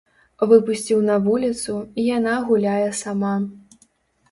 Выпусціў на вуліцу, і яна гуляе сама.